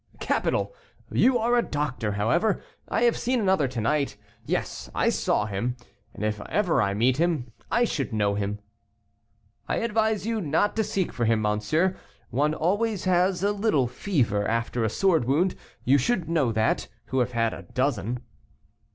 "Capital! you are a doctor; however, I have seen another to night. Yes, I saw him, and if ever I meet him, I should know him." "I advise you not to seek for him, monsieur; one has always a little fever after a sword wound; you should know that, who have had a dozen."